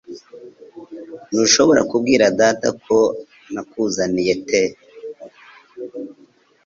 Ntushobora kubwira data ko nakuzaniye t